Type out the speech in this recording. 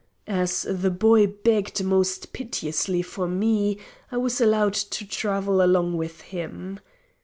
As the boy begged most piteously for me I was allowed to travel along with him.